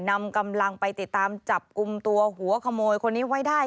นำกำลังไปติดตามจับกลุ่มตัวหัวขโมยคนนี้ไว้ได้